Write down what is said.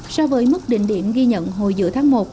so với mức đỉnh điểm ghi nhận hồi giữa tháng một